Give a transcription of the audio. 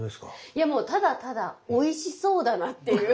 いやもうただただおいしそうだなっていう。